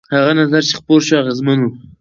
هغه نظر چې خپور شو اغېزمن و.